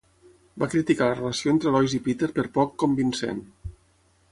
Va criticar la relació entre Lois i Peter per poc convincent.